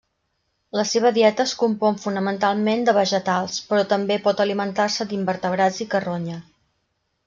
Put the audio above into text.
La seva dieta es compon fonamentalment de vegetals, però també pot alimentar-se d'invertebrats i carronya.